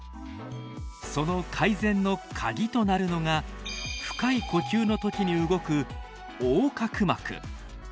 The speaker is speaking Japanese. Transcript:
その改善のカギとなるのが深い呼吸の時に動く横隔膜。